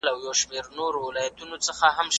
زه به کتابتوننۍ سره وخت تېره کړی وي!!